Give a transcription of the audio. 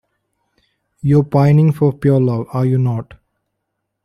You’re pining for pure love, are you not?